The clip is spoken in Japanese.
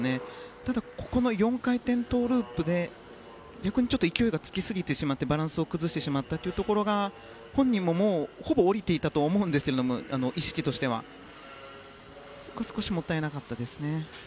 ただ、４回転トウループでは逆に勢いがつきすぎてバランスを崩したところが本人もほぼ降りていたと思うんですけどそこは少しもったいなかったですね。